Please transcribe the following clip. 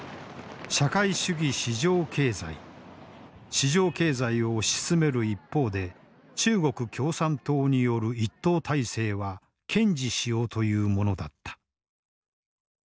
市場経済を推し進める一方で中国共産党による一党体制は堅持しようというものだった。